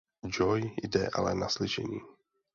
Joy jde ale na slyšení.